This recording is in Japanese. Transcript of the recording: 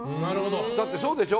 だって、そうでしょ。